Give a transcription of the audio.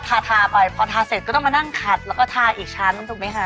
ทาทาไปพอทาเสร็จก็ต้องมานั่งขัดแล้วก็ทาอีกชั้นถูกไหมคะ